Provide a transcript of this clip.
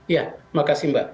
ya terima kasih mbak